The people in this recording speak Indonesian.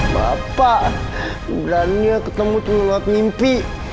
bapak berani ketemu saya melalui mimpi